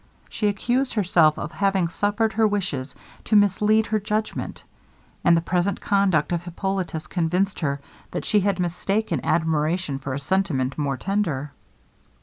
She accused herself of having suffered her wishes to mislead her judgment; and the present conduct of Hippolitus convinced her, that she had mistaken admiration for a sentiment more tender.